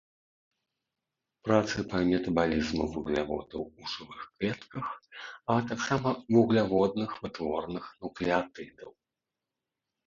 Працы па метабалізму вугляводаў ў жывых клетках, а таксама вугляводных вытворных нуклеатыдаў.